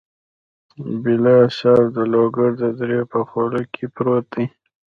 بالا حصار د لوګر د درې په خوله کې پروت دی.